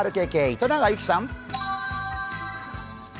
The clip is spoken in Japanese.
ＲＫＫ糸永有希さん。